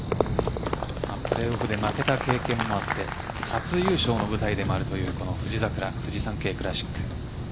プレーオフで負けた経験もあって初優勝の舞台でもあるというこの富士桜フジサンケイクラシック。